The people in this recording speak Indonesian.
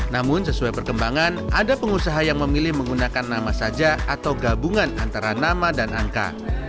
namun sesuai perkembangan ada pengusaha yang memilih menggunakan nama saja atau gabungan antara nama dan angka